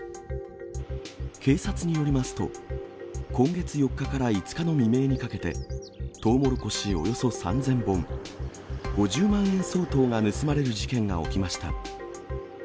警察によりますと、今月４日から５日の未明にかけて、トウモロコシおよそ３０００本、５０万円相当が盗まれる事件が起きました。